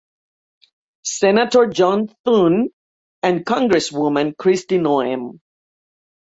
Senator John Thune and Congresswoman Kristi Noem.